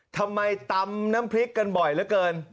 ทำไมตำน้ำพริกกันบ่อยเหลือเกิน